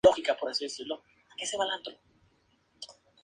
Es originaria de Portugal, suroeste de España, Francia e Italia.